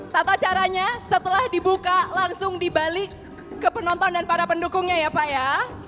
tata caranya setelah dibuka langsung dibalik ke penonton dan para pendukungnya ya pak ya